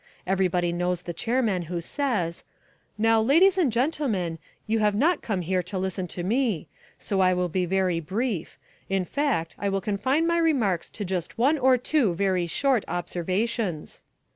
Everybody knows the chairman who says; "Now, ladies and gentlemen, you have not come here to listen to me. So I will be very brief; in fact, I will confine my remarks to just one or two very short observations."